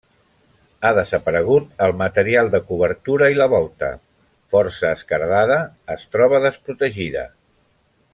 Ha desaparegut el material de cobertura i la volta, força esquerdada, es troba desprotegida.